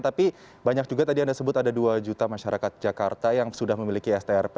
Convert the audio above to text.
tapi banyak juga tadi anda sebut ada dua juta masyarakat jakarta yang sudah memiliki strp